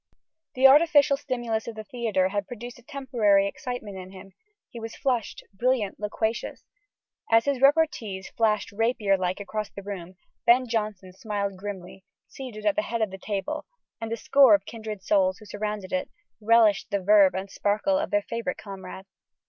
The artificial stimulus of the theatre had produced a temporary excitement in him he was flushed, brilliant, loquacious. As his repartees flashed rapier like across the room, Ben Jonson smiled grimly, seated at the head of the table, and a score of kindred souls, who surrounded it, relished the verve and sparkle of their favourite comrade.